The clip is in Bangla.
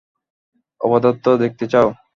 অবাধ্যতা দেখতে চাও?